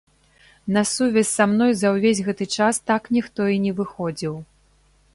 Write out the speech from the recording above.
На сувязь са мной за ўвесь гэты час так ніхто і не выходзіў.